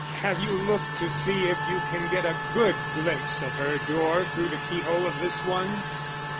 Have you looked to see if you can get a good glimpse of her door through the keyhole of this one?"